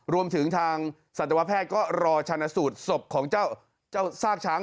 รวมถึงทางสัตวแพทย์ก็รอชันสูตรศพของเจ้าซากช้าง